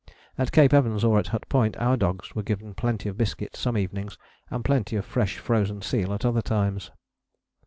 At Cape Evans or at Hut Point our dogs were given plenty of biscuit some evenings, and plenty of fresh frozen seal at other times.